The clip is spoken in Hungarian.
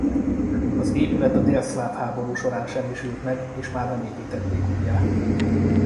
Az épület a délszláv háború során semmisült meg és már nem építették újjá.